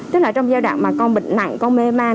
tức là trong giai đoạn mà con bệnh nặng con mê man